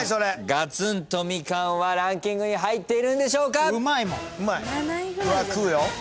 ガツン、とみかんはランキングに入っているんでしょうか？